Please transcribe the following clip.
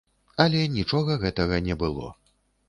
Але нічога гэтага не было.